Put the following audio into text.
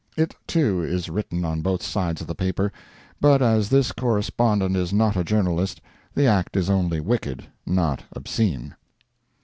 (It, too, is written on both sides of the paper; but as this correspondent is not a journalist, the act is only wicked, not obscene.)